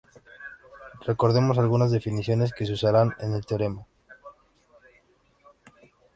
Recordemos algunas definiciones que se usarán en el teorema.